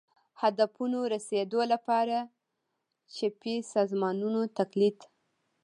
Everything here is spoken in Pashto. هدفونو رسېدو لپاره چپي سازمانونو تقلید